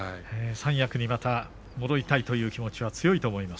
三役にまた戻りたいという気持ちが強いと思います。